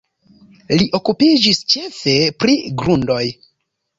Li okupiĝis ĉefe pri grundoj.